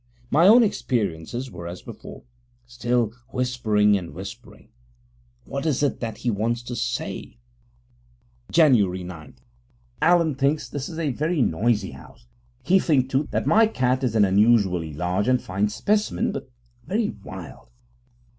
My own experiences were as before: still whispering and whispering: what is it that he wants to say? Jan. 9 Allen thinks this a very noisy house. He thinks, too, that my cat is an unusually large and fine specimen, but very wild.